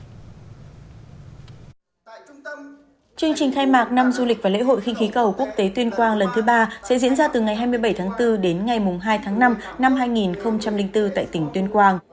chương trình khai mạc năm du lịch và lễ hội khinh khí cầu quốc tế tuyên quang lần thứ ba sẽ diễn ra từ ngày hai mươi bảy tháng bốn đến ngày hai tháng năm năm hai nghìn bốn tại tỉnh tuyên quang